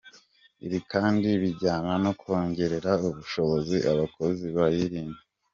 Ibi kandi bijyana no kongerera ubushobozi abakozi bayirinda .